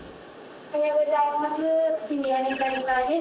おはようございます。